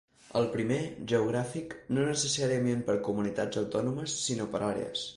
El primer, geogràfic: no necessàriament per comunitats autònomes, sinó per àrees.